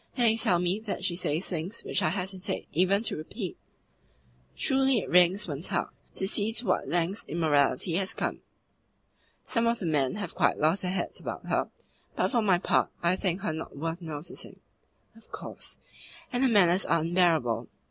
And they tell me that she says things which I hesitate even to repeat." "Truly it wrings one's heart to see to what lengths immorality has come." "Some of the men have quite lost their heads about her, but for my part I think her not worth noticing." "Of course. And her manners are unbearable.